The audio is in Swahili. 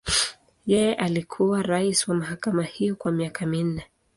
Yeye alikuwa rais wa mahakama hiyo kwa miaka minne.